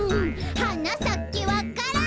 「はなさけわか蘭」